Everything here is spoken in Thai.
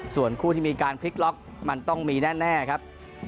ส่วนคู่ที่มีการมันต้องมีแน่แน่ครับ